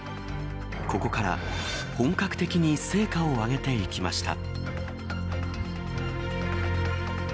ここから本格的に成果を挙げていきました。